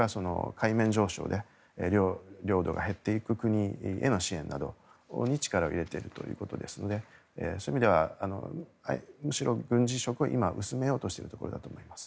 海面上昇で領土が減っていく国への支援に力を入れているということですのでそういう意味ではむしろ軍事色は今、薄めようとしているところだと思います。